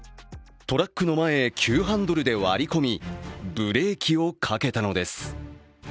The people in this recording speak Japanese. トラックの前へ急ハンドルで割り込み、ブレーキをかけたのです。